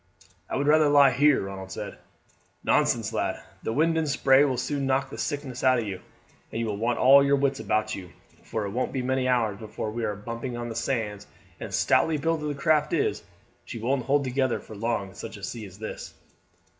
"I would rather lie here," Ronald said. "Nonsense, lad! The wind and spray will soon knock the sickness out of you; and you will want all your wits about you, for it won't be many hours before we are bumping on the sands, and stoutly built as the craft is she won't hold together long in such a sea as this."